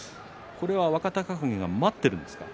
これは若隆景が待っているんですか？